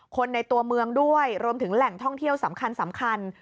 ในตัวเมืองด้วยรวมถึงแหล่งท่องเที่ยวสำคัญ